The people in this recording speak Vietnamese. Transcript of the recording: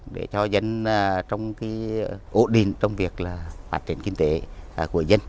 để cho dân trong cái ổn định trong việc là phát triển kinh tế của dân